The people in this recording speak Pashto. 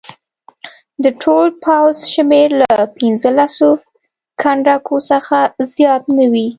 د ټول پوځ شمېر له پنځه لسو کنډکو څخه زیات نه وي.